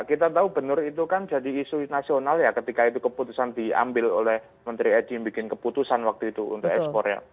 kita tahu benar itu kan jadi isu nasional ya ketika itu keputusan diambil oleh menteri edi yang bikin keputusan waktu itu untuk ekspor ya